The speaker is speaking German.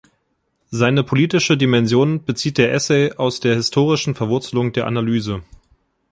Seine politische Dimension bezieht der Essay aus der historischen Verwurzelung der Analyse.